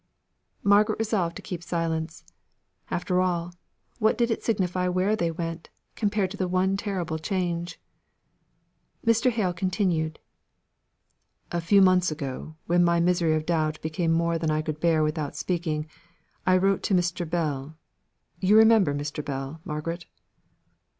Margaret resolved to keep silence. After all, what did it signify where they went, compared to the one terrible change? Mr. Hale continued: "A few months ago, when my misery of doubt became more than I could bear without speaking, I wrote to Mr. Bell you remember Mr. Bell, Margaret?"